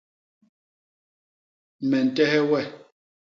Me ntehe we.